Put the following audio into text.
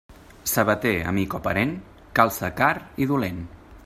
Sabater amic o parent, calça car i dolent.